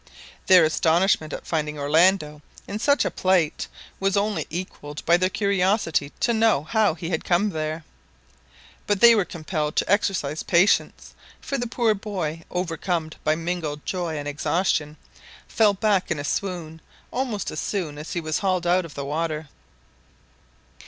Their astonishment at finding Orlando in such a plight was only equalled by their curiosity to know how he had come there; but they were compelled to exercise patience, for the poor boy, overcome by mingled joy and exhaustion, fell back in a swoon almost as soon as he was hauled out of the water.